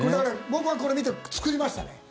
僕はこれ見て作りましたね。